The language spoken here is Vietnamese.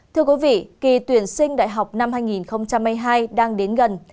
thưa quý vị kỳ tuyển sinh đại học năm hai nghìn hai mươi hai đang đến gần